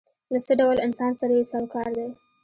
له څه ډول انسان سره یې سر و کار دی.